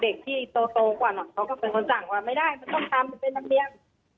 เด็กที่โตกว่าหน่อยเขาก็เป็นคนสั่งว่าไม่ได้มันต้องทำมันเป็นนักเรียน